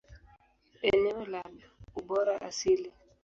Eneo la ubora asili.